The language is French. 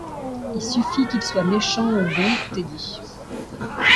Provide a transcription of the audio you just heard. Il suffit Qu’il soit méchant ou bon ; tout est dit.